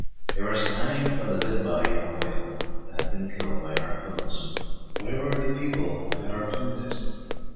They were standing on the dead body of a whale that had been killed by harpoons. Where were the people who had harpooned it?